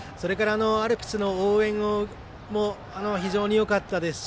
アルプスの応援も非常によかったですし